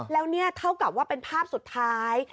แล้วนี่เท่ากับว่าเป็นภาพสุดท้าย